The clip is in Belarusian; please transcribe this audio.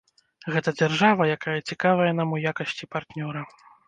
Гэта дзяржава, якая цікавая нам у якасці партнёра.